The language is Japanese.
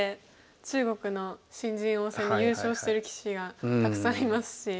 中国の新人王戦で優勝してる棋士がたくさんいますし。